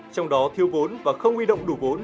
trong đó thiêu vốn và không uy động đủ vốn